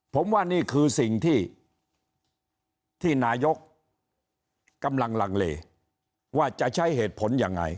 ผมว่านี่คือสิ่งที่นายกกำลังลังเลว่าจะใช้เหตุผลยังไง